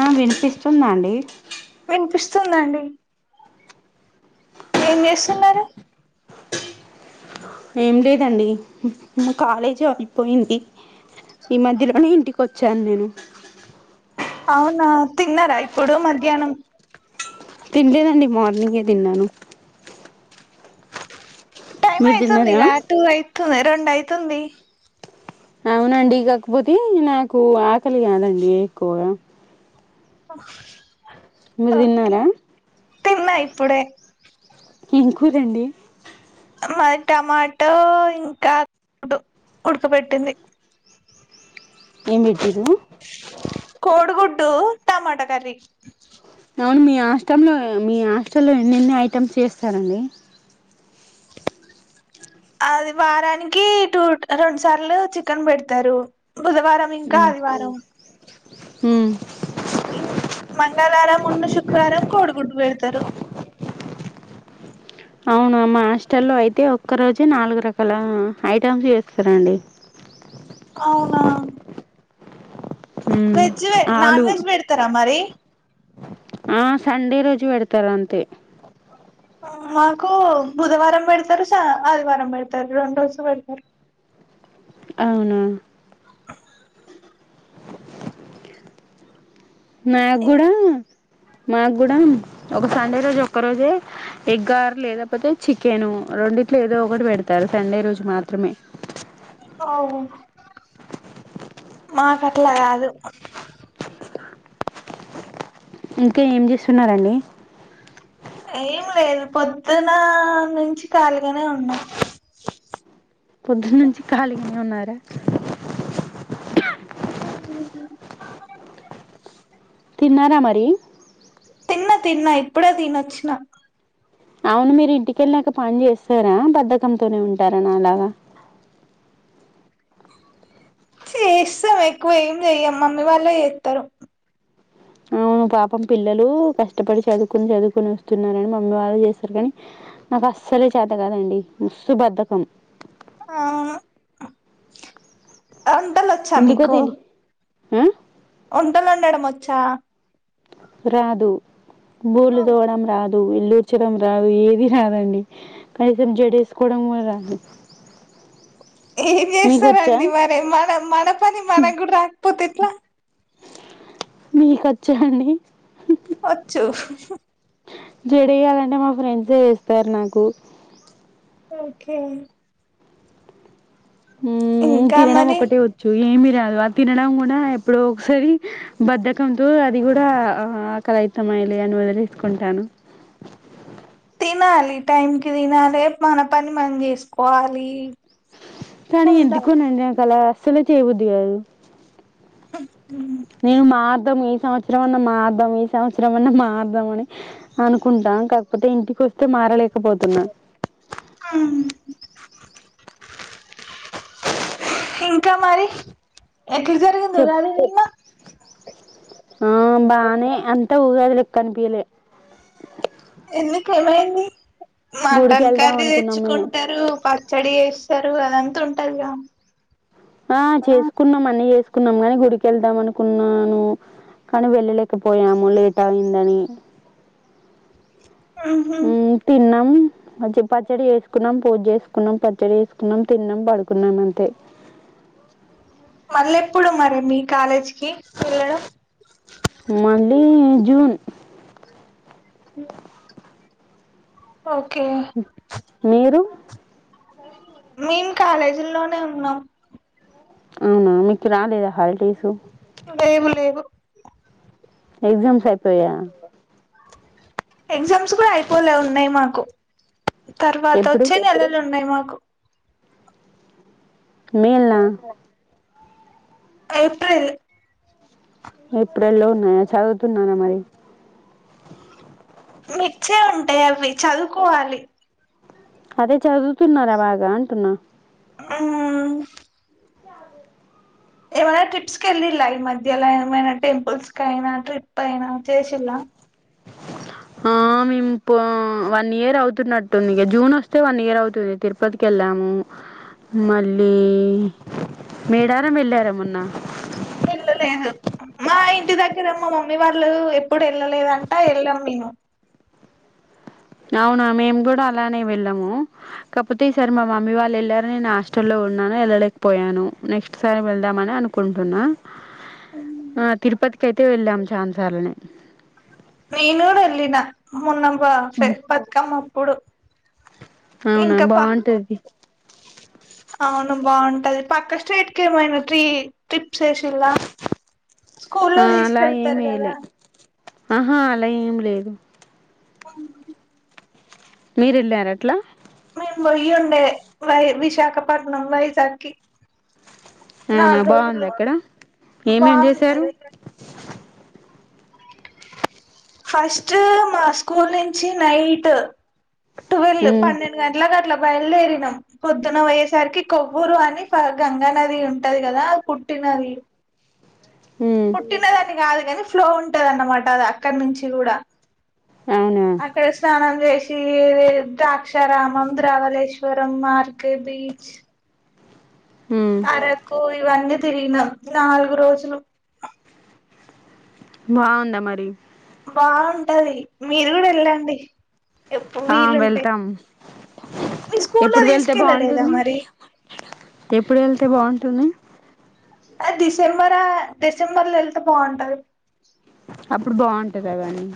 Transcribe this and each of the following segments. ఆ వినిపిస్తుందాండి వస్తుందండి ఏం చేస్తున్నారు ఏం లేదండి కాలేజీ అయిపోయింది ఈ మధ్యలోనే ఇంటికి వచ్చాను నేను అవునా తిన్నారా ఇప్పుడు మధ్యాహ్నం తినలేదండి మార్నింగ్ ఏ తిన్నాను టైమ్ మీరు తిన్నారా అయితుందిగా టూ అయితుంది రెండ్ అయితుంది అవునండి కాకపోతే నాకు ఆకలి కాదండి ఎక్కువగా మీరు ఓకే తిన్నారా తిన్నా ఇప్పుడే ఏంకూరండి మాది టమాటో ఇంకా గుడ్డు ఉడకపెట్టింది ఏమ్ పెట్టిరు కోడుగుడ్డు టమాట కర్రీ అవును మీ హాస్టంలో మీ హాస్టల్లో ఎన్ని ఎన్ని ఐటమ్స్ చేస్తారండి అది వారానికి టూ రెండు సార్లు చికెన్ పెడతారు బుధవారం ఇంకా ఆదివారం మ్మ్ మంగళవారం మున్న శుక్రవారం కోడుగుడ్డు పెడతారు అవును మా హాస్టల్లో అయితే ఒక్కరోజే నాలుగు రకాల ఐటమ్స్ చేస్తారండి అవునా ఉమ్ వెజ్ నాన్ ఆలు వెజ్ బెడతారా మరి ఆ సండే రోజు పెడతారు అంతే మాకు బుధవారం పెడతారు స ఆదివారం పెడతారు రెండు రోజులు పెడతారు అవునా నాక్ గుడా మాక్ గుడా ఒక సండే రోజు ఒక్క రోజే ఎగ్ ఆర్ లేకపోతే చికెను రెండిట్లో ఏదో ఒకటి పెడతారు సండే రోజు మాత్రమే అవ్ మాకట్లా కాదు ఇంకా ఏం చేస్తున్నారండి ఏం లేదు పొద్దున నుంచి కాలిగనే ఉన్నాం పొద్దున్న నుంచి ఖాలిగ ఉన్నార తిన్నారా మరి తిన్నా తిన్నా ఇప్పుడే తినొచ్చిన అవును మీరు ఇంటికెళ్ళాక పని చేస్తారా బద్దకంతోనే ఉంటార నాలాగా చేస్తాం ఎక్కువ ఏం చెయ్యం మమ్మీ వాళ్ళే చేస్తారు అవును పాపం పిల్లలూ కష్టపడి చదువుకొని చదువుకొని వస్తున్నరని మమ్మీ వాళ్ళు చేస్తారు కానీ నాకు అస్సల్ చేత కాదండి మస్స్తు బద్దకం అ వంటలొచ్చా మీకు ఉ వంటలు వండడం వచ్చా రాదు భూలు దొడం రాదు ఇల్ళూర్చడం రాదు ఏది రాదండి కనీసం జడ వేసుకోవడం కూడా రాదు ఏం మీకు వచ్చా చేస్తారండి మరే మన మన పని మన కూడా రాపోతే ఇట్లా మీకు వచ్చ అండి వచ్చు స జడేయ్యాలంటే మా ఫ్రెండ్సే వేస్తారు నాకు ఓకే ఉ ఇంకా తినడం మరి ఒకటే వచ్చు ఏమి చదు అ తినడం కూడా ఎప్పుడో ఒకసారి బద్ధకంతో అది కూడా ఆకలయితంమయలే అని వదిలేసుకుంటాను తినాలి టైం కి తినాలి మన పని మనం చేసుకోవాలి కానీ ఉండాలి ఎందుకోనండి నాకలా అస్సలు చేయబుద్ధిగాదు నేను మాదం సంవత్సరం అన్నా మార్దాం ఈ సంవత్సరం అన్నా మారదాం అని అనుకుంటా కాకపోతే ఇంటికి వస్తే మారలే కపోతున్నా ఇంకా మరి ఎట్లా జరిగింది చెప్ ఉగాది నిన్న ఆ బానే అంత ఊగాదిలో కనిపియలే ఎందుకు ఏమైంది గుడికి మటన్ వెళ్దాం కర్రీ అనుకున్నామే తెచ్చుకుంటారు పచ్చడి చే చెరువు అద అంత ఉంటందిగా ఆ చేసుకున్నాంమని చేసుకు కున్నాం కాని గుడికి వెళ్దాం అనుకున్నాను, కానీ వెళ్ళలేకపోయాము లేట్ అయిందని ఉహు తిన్నాం పచ్చడి వేసుకున్నాం పూజ వేసుకున్నాం, పచ్చడి వేసుకున్నాం, తిన్నాం, పడుకున్నాం అంతే మళ్ళీ ఎప్పుడు మరి మీ కాలేజ్కి వేల్లడం మళ్ళీ జూన్ ఉ ఓకే స మేం కాలేజీ లోనే ఉన్నాం అవునా మీకు రా లేదా హల్ లేవు లేవు ఎగ్జామ్స్ అయిపోయా ఎగ్జామ్స్ కూడా అయిపోలే ఉన్నాయి మాకు తర్వాత ఎప్పుడు వచ్చి నెలలు న్నా మాకు మేల్లా ఏప్రిల్ ఏప్రిల్లోన చదువుతున్నార మరి మిచ్చే ఉంటాయి అవి చదువుకోవాలి అదే చదువుతున్నారా బాగా అంటున్నా మ్ దు ఏమైనా ట్రిప్స్ కి వెళ్ళిలా, ఈ మధ్యలా ఏమైనా టి ఆ మేము ప వన్ ఇయర్ అవుతున్నట్టుంది ఇక, జూన్ వస్తే వన్ ఇయర్ అవుతుంది తిరుపతికి వెళ్ళాము, మళ్ళీ మేడారం వెళ్ళారా ఏ మొన్న వెళ్ళలేదు, మా ఇంటి దగ్గర మా మమ్మీ వాళ్ళు ఎప్పుడు వెళ్ళలేదంటా వెళ్ళాం మేము అవునా మేము కూడా అలానే వెళ్ళాము, కాకపోతే ఈసారి మా మమ్మీ వాళ్ళు వెళ్ళారని నేను హాస్టల్లో ఉన్నాను వెళ్ళలేకపోయాను, నెక్స్ట్ సార్ వెళ్దామని అనుకుంటున్నా, తిరుపతికి అయితే వెళ్ళాము చాన్ సార్లనే నేన్ గూడ వెళ్లిన మొన్న ఫ బదకమ్ కుడు అవునా బాగుంటది అవును బాగుంటది పక్క స్ట్రేట్ కె ఏమైనా త్రీ ట్రిప్స్ వేసిలా ఆ స్కూల్లో అలా ఏం తీసుకెళ్తారు వేయలే కదా ఆహా అలా ఏం లేదు ఉ మీరు వెళ్ళార అట్లా వొయ్య ఉండే వై విశాఖపట్నం వైజాకి అవునా బాగుంద అక్కడ ఏమేం చేశారు బాగుంటది ఫస్ట్ మా స్కూల్ నుంచి నైట్ టువెల్ ఉమ్ పన్నెండు గంటలకు అట్లా బయలుదేరినాం. పొద్దున పొయ్యేసరికి కొవ్వూరు అని గంగా నది ఉంటది కదా అది పుట్టినది. ఉమ్ పుట్టినదని కాదు అని ఫ్లో ఉంటది అన్నమాట అది అక్కడ నుంచి కూడా అవునా అక్కడ స్నానం చేసి ఈ ద్రాక్షారామం ద్రవళేశ్వరం మార్కే బీచ్ ఉమ్ అరకు ఇవందద్ తిరిగిన నాలుగు రోజులు బాగుందా మరి బాగుంటది మీరు కూడా వెళ్ళండి. ఎప్పు ఆ వీలుంటే వెళ్తాం మీ స్కూల్లో ఎప్పుడు వెళ్తే తీసుకెళ్ళలేదా బాగుంటుంది మరి ఎప్పుడు వెళ్తే బాగుంటుంది. ఆ డిసెంబర్ డిసెంబర్ లో వెళ్తే బాగుంటది. అప్పుడు బాగుంటద కానీ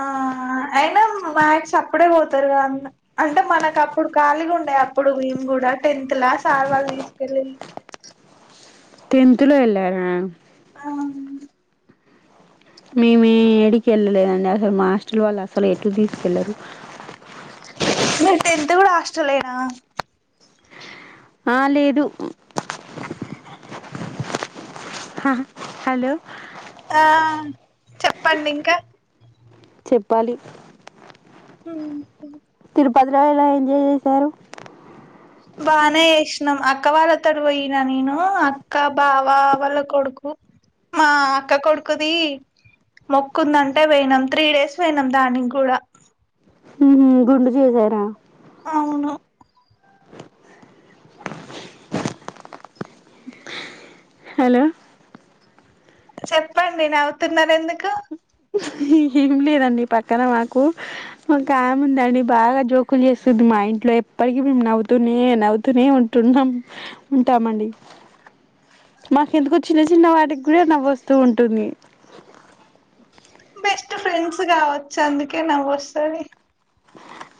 ఆ అయినా మ్యాథ్స్ అప్పుడే పోతారు కద అన్న అంటే మనకు అప్పుడు ఖాళీగా ఉండేయి. అప్పుడు మేం కూడా టెన్త్ లా సార్వాళ్ళు తీసుకెళ్ళిన్రు. తెెన్త్లో వెళ్ళార ఆ మేమే ఏడికి వెళ్ళలేదండి. అసలు మాస్టల్ వాళ్ళు అసలు ఎటు తీసుకెళ్లరు. మీరు టెన్త్ కూడా హాస్టలేనా ఆ లేదు హా హలో ఆ చెప్పండి ఇంకా చెప్పాలి హ పది రోజులు ఎలా ఎంజాయ్ చేశారు. బానే ఏసినం అక్ అక్క వాళ్ళ తడువుపోయినా నేను అక్క, బావా వాళ్ళ కొడుకు మా అక్క కొడుకుది మొక్కుందంటే పోయినాం. త్రీ డేస్ పోయినాం. దానికి కూడా ఉమ్ గుండు చేసారా అవును హలో చెప్పండి నవ్వుతున్నారు ఎందుకు ఏమి లేదండి. పక్కన మాకు ఒక ఆమె ఉందండి. బాగా జోకులు చేస్తుంది. మా ఇంట్లో ఎప్పటికి నవ్వుతూనే నవ్వుతూనే ఉంటున్నాం. ఉంటామండి. మాకు ఎందుకో చిన్న చిన్న వాటికి కూడా నవ్వుస్తూ ఉంటుంది. బెస్ట్ ఫ్రెండ్స్ కావచ్చు అందుకే నవ్వుస్తది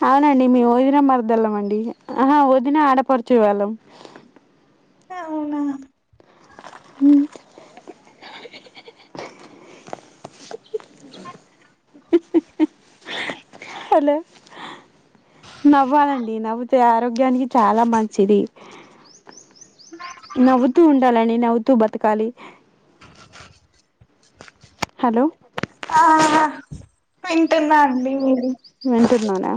అవునండి మేము వదిన మరదళ్ళంమండి. ఆహా వదినా ఆడపరుచు వాళ్ళం. అవునా హలో నవ్వాలండి. నవ్వితే ఆరోగ్యానికి చాలా మంచిది. నవ్వుతూ ఉండాలని, నవ్వుతూ బతకాలి. హలో ఆ వింటున్నా అండి వింటున్నానే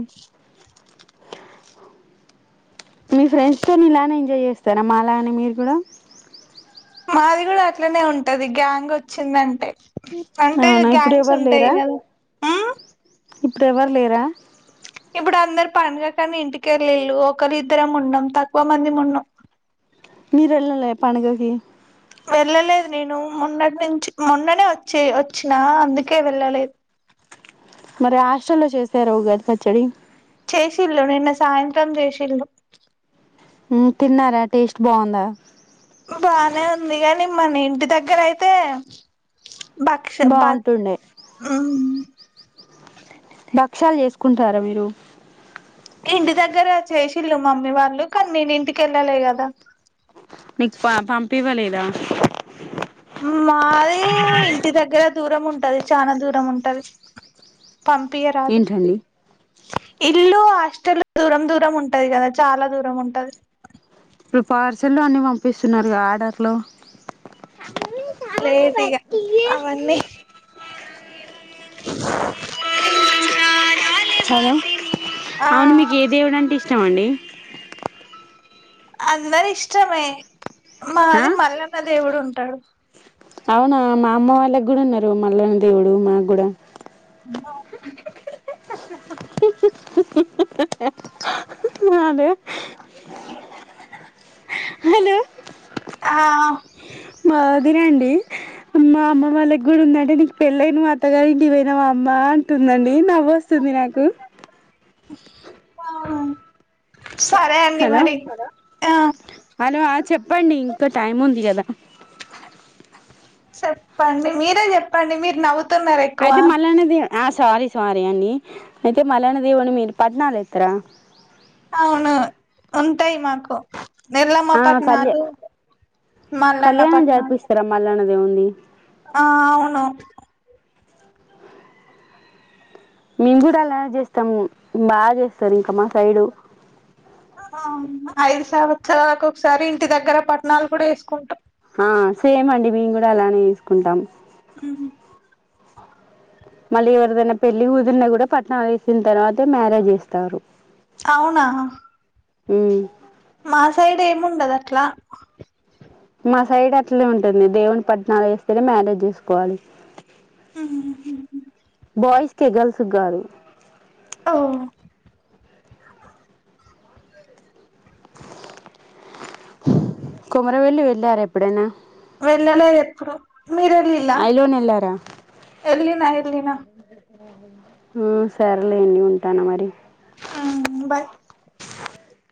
మీ ఫ్రెండ్స్తో ఇలానే ఎంజాయ్ చేస్తారా మా లానే మీరు కూడా మాది కూడా అట్లనే ఉంటది గ్యాంగ్ వచ్చిందంటే అంటే అవునా ఇప్పుడు గ్యాంగ్స్ ఎవరు ఉంటాయి లేరా కదా ఇప్పుడు ఎవరు లేరా ఇప్పుడు అందరు పండగ కానీ ఇంటికెళ్ళళ్ళు ఒకరి ఇద్దరం ఉన్నాం తక్కువ మంది ఉన్నాం మీరు వెళ్ళే పడుగకి వెళ్ళలేదు నేను మొన్నటి నుంచి మొన్ననే వచ్చే వచ్చినా అందుకే వెళ్ళలేదు మరి హాస్టల్లో చేస్తార ఉగాది పచ్చడి [unintelligible] నిన్న సాయంత్రం [unintelligible] తిన్నారా టేస్ట్ బాగుందా బానే ఉంది గానీ మన ఇంటి దగ్గర అయితే బక్ష బ బాగుంటుండే భక్షలు చేసుకుంటారా మీరు ఇంటి దగ్గర చేసిల్ళు మమ్మీ వాళ్ళు కానీ నేను ఇంటికి వెళ్ళాలే కదా నీకు ప పంపివ్వలేదా మాది ఇంటి దగ్గర దూరం ఉంటది చనా దూరం ఉంటది పంపియరాదు ఏంటండి ఇల్లు హాస్టల్ దూరం దూరం ఉంటది కదా చాలా దూరం ఉంటది ఇప్పుడు పార్సల్లు అన్నీ పంపిస్తున్నారుగా ఆర్డర్లో లేదు ఇక అవన్నీ ఆ [unintelligible] అవును మీకు ఏ దేవుడు అంటే ఇష్ట [unintelligible] మండి అందరు ఇష్టమే ఆ మాది మళ్ళ దేవుడు ఉంటాడు అవునా మా అమ్మ వాళ్ళకి కూడా ఉన్నారు మల్లనా దేవుడు మాకు కూడా [unintelligible] మాదే హలో ఆ మా వదిన అండి మా అమ్మ వాళ్ళకి కూడా ఉందంటే నీకు పెళ్ళనా మా అత్తగారి ఇంటి కి పోయినా మా అమ్మ అంటు [unintelligible] నవ్వు వస్తుంది నాకు [unintelligible] అండి హలో మరి ఆ హలో ఆ చెప్పండి ఇంకా టైం ఉంది కదా చెప్పండి మీరే చెప్పండి మీరు నవ్వు అయితే మల్ల నది అ సారీ సారీ అండి అయితే మల్లన దేవుని మీరు పద్నాలు ఇస్తార అవును ఉంటయి మాకు నెల్లమ్మ ఆ కళ్యా పట్నాడు మల్లన్న కళ్యాణం పట్నా జరిపిస్తారా మల్లన్న దేవుంది ఆ అవును మేము కూడ అలానే చేస్తాం బాగ చేస్తారు ఇంకా మా సైడు ఆ ఐదు సంవత్సరాలకు ఒకసారి ఇంటి దగ్గర పట్టణాలు కూడ వేసుకుంటాం ఆ సేమ్ అండి మేము కూడ అలానే చేసుకుంటాం ఉమ్ మళ్ళీ ఎవరిదైనా పెళ్లి కుదురిన కూడా పట్టణాలు వేసిన తర్వాత మ్యారజ అవున ఉమ్. మా సైడ్ ఏముండదా ట్ల మా సైడ్ అట్లే ఉంటది దేవుని పట్నాలు వేస్తేనే మ్యారేజ్ చేసుకోవాలి ఉహు కె గల్సు గారు ఓ కొమరవెళ్లి వెళ్ళార ఎప్పుడైన వెళ్ళలేద్ ఎప్పుడు మీరెలిల్లా ఐలోన్ వెళ్ళారా ఎర్లిన ఎర్లిన ఉమ్ సర్లే అండి ఉంటాన మరి ఉమ్ బయ్